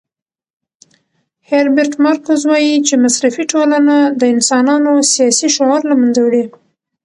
هیربرټ مارکوز وایي چې مصرفي ټولنه د انسانانو سیاسي شعور له منځه وړي.